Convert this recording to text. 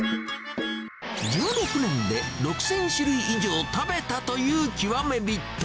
１６年で６０００種類以上食べたという極め人。